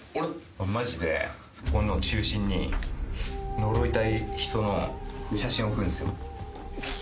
マジでこれの中心に呪いたい人の写真置くんですよ。